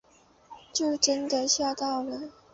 就真的吓到了